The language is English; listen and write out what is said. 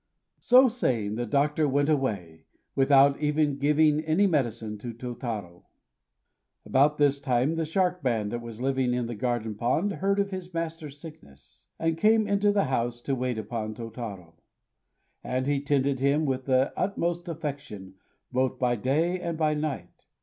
So saying, the doctor went away, without even giving any medicine to Tôtarô. About this time the Shark Man that was living in the garden pond heard of his master's sickness, and came into the house to wait upon Tôtarô. And he tended him with the utmost affection both by day and by night.